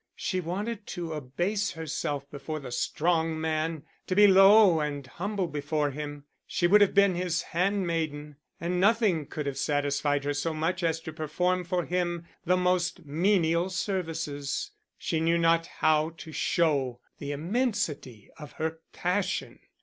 She wanted to abase herself before the strong man, to be low and humble before him. She would have been his handmaiden, and nothing could have satisfied her so much as to perform for him the most menial services. She knew not how to show the immensity of her passion.